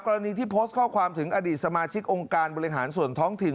รณีที่โพสต์ข้อความถึงอดีตสมาชิกองค์การบริหารส่วนท้องถิ่น